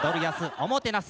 「おもてなす」。